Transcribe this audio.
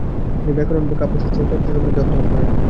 তিনি ব্যাকরন, কাব্যশাস্ত্র ও তন্ত্র সম্বন্ধে অধ্যয়ন করেন।